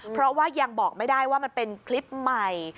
เพราะว่ายังบอกไม่ได้ว่ามันเป็นคลิปใหม่